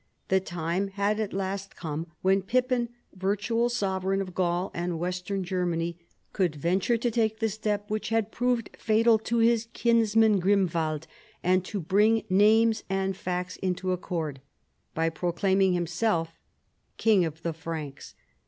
The time had at last come when Pippin, virtual sovereign of Gaul and Western Germany, could venture to take the step which had proved fatal to his kinsman Grimwald, and to bring names and facts into accord by proclaiming liimself King of the Franks.